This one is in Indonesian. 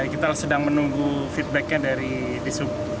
kita sedang menunggu feedbacknya dari disub